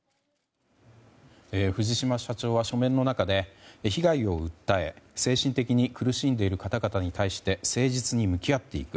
藤島社長は書面の中で被害を訴え、精神的に苦しんでいる方々に対して誠実に向き合っていく。